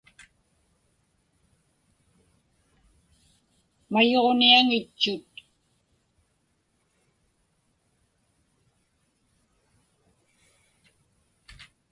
Mayuġniaŋitchut.